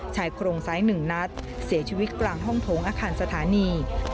ชายโครงซ้าย๑นัดเสียชีวิตกลางห้องโถงอาคารสถานี